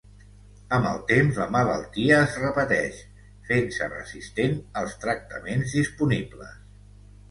Amb el temps, la malaltia es repeteix, fent-se resistent als tractaments disponibles.